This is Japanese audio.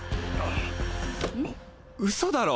うそだろ